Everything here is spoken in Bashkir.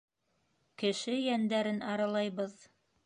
Кеше йәндәрен аралайбыҙ.